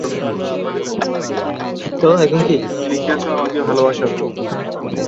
তুমি লিখিয়াছ, আমাকে ভালোবাস।